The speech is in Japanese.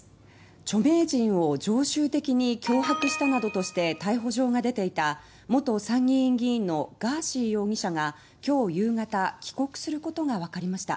著名人を常習的に脅迫したなどとして逮捕状が出ていた元参議院議員のガーシー容疑者が今日夕方、帰国することがわかりました。